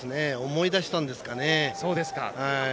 思い出したんですかね。